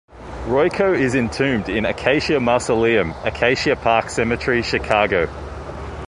Royko is entombed in Acacia Mausoleum, Acacia Park Cemetery, Chicago.